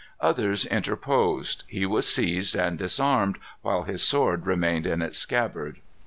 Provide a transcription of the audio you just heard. Others interposed. He was seized and disarmed, while his sword remained in its scabbard.